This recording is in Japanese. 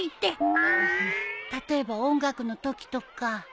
例えば音楽のときとか。